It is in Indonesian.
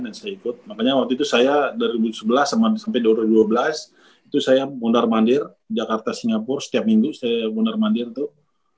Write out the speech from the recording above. dan saya ikut makanya waktu itu saya dua ribu sebelas sampai dua ribu dua belas itu saya mundur mandir jakarta singapura setiap minggu saya mundur mandir tuh